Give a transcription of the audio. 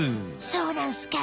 そうなんすか。